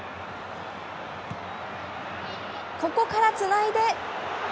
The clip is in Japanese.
ここからつないで。